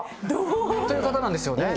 という方なんですよね。